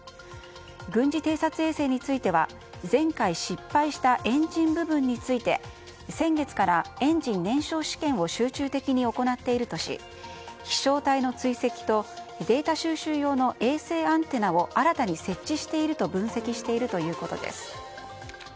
軍事偵察衛星については前回失敗したエンジン部分について先月からエンジン燃焼試験を集中的に行っているとし飛翔体の追跡とデータ収集用の衛星アンテナを新たに設置していると分析しているということです。